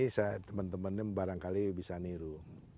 ini temen temen barangkali bisa niru